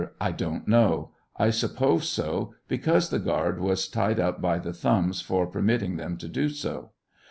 I don't know ; I suppose so ; because the guard was lied up by the thumbs for permit ting them to do so.